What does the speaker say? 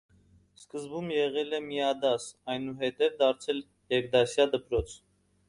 Սկզբում եղել է միադաս, այնուհետև դարձել երկդասյա դպրոց։